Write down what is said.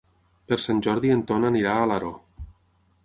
Per Sant Jordi en Ton anirà a Alaró.